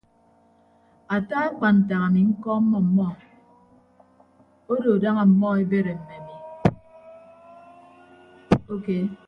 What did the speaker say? Ata akpan ntak ami ñkọọmmọ ọmmọ odo daña ọmmọ ebere mme ami.